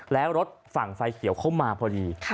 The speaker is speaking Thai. แล้วรถฝั่งไฟเขียวเข้ามาพอดี